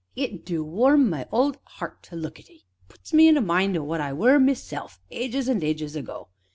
it du warm my old 'eart to look at 'ee. Puts me in mind o' what I were myself ages an' ages ago.